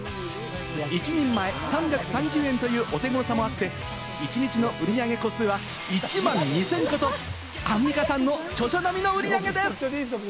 １人前３３０円というお手ごろさもあって、一日の売り上げ個数は１万２０００個と、アンミカさんの著書並みの売り上げです。